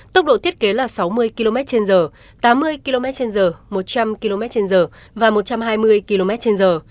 tốc độ thiết kế là sáu mươi km trên giờ tám mươi km trên giờ một trăm linh km trên giờ và một trăm hai mươi km trên giờ